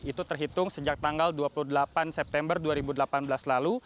itu terhitung sejak tanggal dua puluh delapan september dua ribu delapan belas lalu